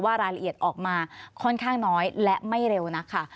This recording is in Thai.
รายละเอียดออกมาค่อนข้างน้อยและไม่เร็วนักค่ะ